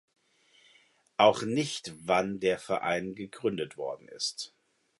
Auch nicht wann der Verein gegründet worden ist.